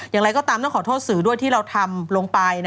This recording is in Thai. อย่างไรก็ตามต้องขอโทษสื่อด้วยที่เราทำลงไป